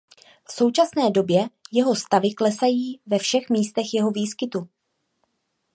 V současné době jeho stavy klesají ve všech místech jeho výskytu.